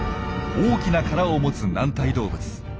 大きな殻を持つ軟体動物。